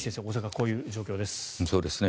大阪はこういう状況です。